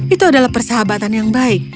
itu adalah persahabatan yang baik